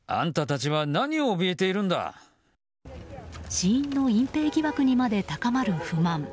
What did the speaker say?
死因の隠ぺい疑惑にまで高まる不満。